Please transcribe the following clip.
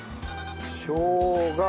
しょうが。